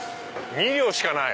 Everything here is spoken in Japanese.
２両しかない！